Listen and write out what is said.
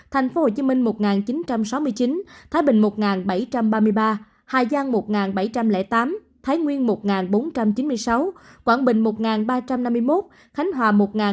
tp hcm một chín trăm sáu mươi chín thái bình một bảy trăm ba mươi ba hà giang một bảy trăm linh tám thái nguyên một bốn trăm chín mươi sáu quảng bình một ba trăm năm mươi một khánh hòa một hai trăm sáu mươi